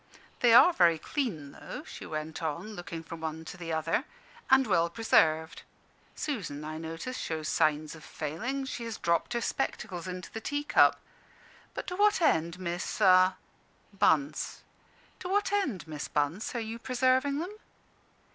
"They are very clean, though," she went on, looking from one to the other, "and well preserved. Susan, I notice, shows signs of failing; she has dropped her spectacles into the teacup. But to what end, Miss " "Bunce." "To what end, Miss Bunce, are you preserving them?"